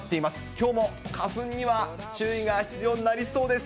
きょうも花粉には注意が必要になりそうです。